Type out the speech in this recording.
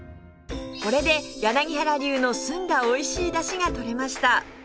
これで柳原流の澄んだおいしいだしがとれました